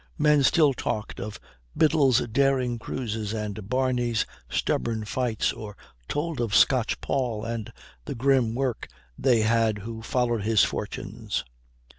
Men still talked of Biddle's daring cruises and Barney's stubborn fights, or told of Scotch Paul and the grim work they had who followed his fortunes.